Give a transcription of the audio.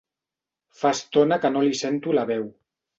Fa estona que no li sento la veu.